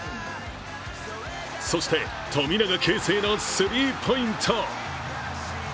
そして、富永啓生のスリーポイント。